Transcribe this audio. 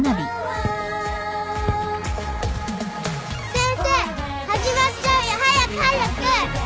先生始まっちゃうよ早く早く！